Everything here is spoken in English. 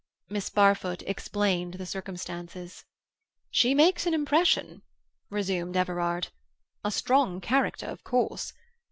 Miss Barfoot explained the circumstances. "She makes an impression," resumed Everard. "A strong character, of course.